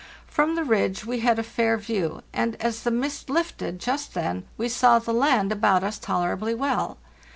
From the ridge we had a fair view, and, as the mist lifted just then, we saw the land about us tolerably well.